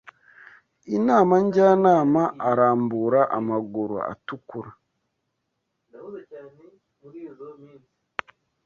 inama njyanama arambura amaguru atukura